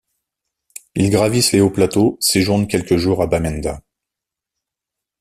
Ils gravissent les hauts plateaux, séjournent quelques jours à Bamenda.